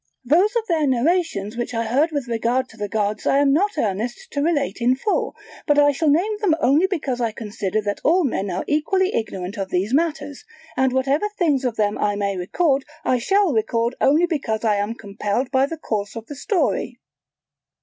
Those of their narrations which I heard with regard to the gods I am not earnest to relate in full, but I shall name them only because I consider that all men are equally ignorant of these matters: and whatever things of them I may record I shall record only because I am compelled by the course of the story.